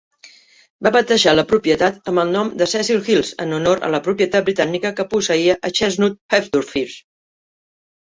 Va batejar la propietat amb el nom de Cecil Hills en honor a la propietat britànica que posseïa a Chestnut, Hertfordshire.